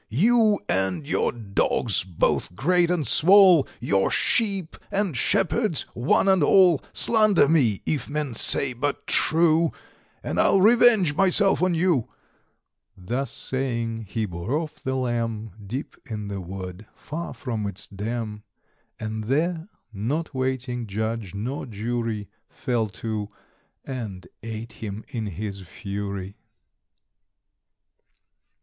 You and your dogs, both great and small, Your sheep and shepherds, one and all, Slander me, if men say but true, And I'll revenge myself on you." Thus saying, he bore off the Lamb Deep in the wood, far from its dam. And there, not waiting judge nor jury, Fell to, and ate him in his fury.